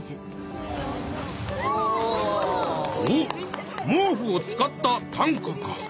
おっ毛布を使った担架か！